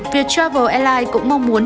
vietravel airlines cũng mong muốn